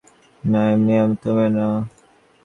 না এমনকি তুমিও না।